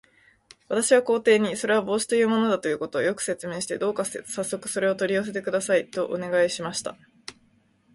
私は皇帝に、それは帽子というものだということを、よく説明して、どうかさっそくそれを取り寄せてください、とお願いしました。